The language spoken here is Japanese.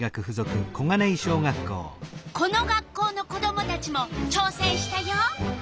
この学校の子どもたちもちょうせんしたよ。